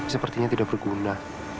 sepertinya tidak berguna